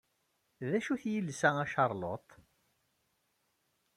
D acu-t yiles-a a Charlotte?